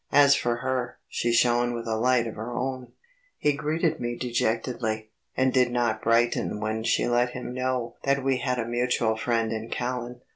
As for her, she shone with a light of her own. He greeted me dejectedly, and did not brighten when she let him know that we had a mutual friend in Callan.